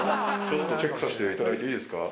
ちょっとチェックさせていただいていいですか？